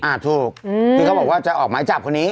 ถูกที่เขาบอกว่าจะออกหมายจับคนนี้